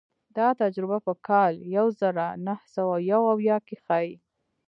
دا تجربه په کال یو زر نهه سوه یو اویا کې ښيي.